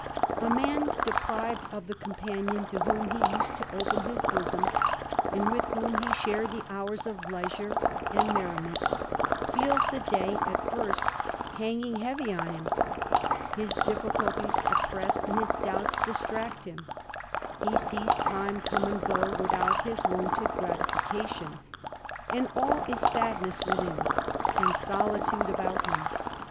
A man deprived of the companion m he used to open his bosom, and with whom he the hours of leisure and merriment, feels the day at .nging heavy on him ; his difficulties oppress and his distract him ; he sees time come and go without his I gratification, and all is sadness within, and solitude lim.